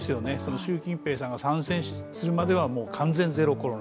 習近平さんが３選するまでは完全ゼロコロナ。